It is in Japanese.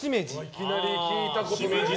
いきなり聞いたことない。